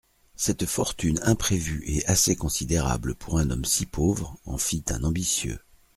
Cette fortune imprévue et assez considérable pour un homme si pauvre en fit un ambitieux.